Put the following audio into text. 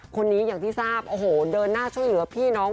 คนนี้อย่างที่ทราบโอ้โหเดินหน้าช่วยเหลือพี่น้อง